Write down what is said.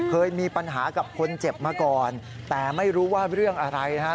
เคยมีปัญหากับคนเจ็บมาก่อนแต่ไม่รู้ว่าเรื่องอะไรนะครับ